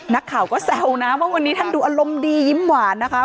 นักข่าวก็แซวนะว่าวันนี้ท่านดูอารมณ์ดียิ้มหวานนะคะ